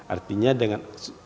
artinya dengan anggaran